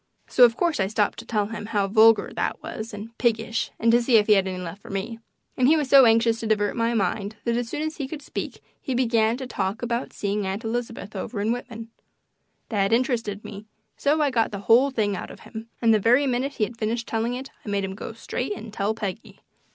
So, of course, I stopped to tell him how vulgar that was, and piggish, and to see if he had left any for me, and he was so anxious to divert my mind that as soon as he could speak he began to talk about seeing Aunt Elizabeth over in Whitman. That interested me, so I got the whole thing out of him, and the very minute he had finished telling it I made him go straight and tell Peggy.